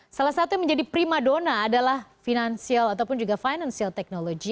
salah satu yang menjadi prima dona adalah finansial ataupun juga financial technology